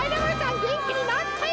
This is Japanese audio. げんきになったよ！